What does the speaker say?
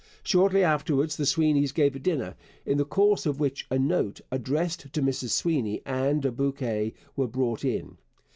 Shortly afterwards the Sweenys gave a dinner, in the course of which a note, addressed to Mrs Sweeny, and a bouquet were brought in.